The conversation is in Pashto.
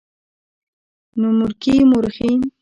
نومورکي مؤرخين